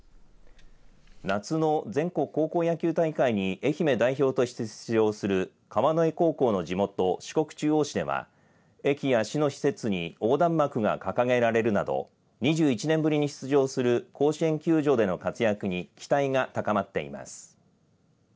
夏の全国高校野球大会に愛媛代表として出場する川之江高校の地元四国中央市では駅や市の施設に横断幕が掲げられるなど２１年ぶりに出場する甲子園球場での活躍に期待が高まっています。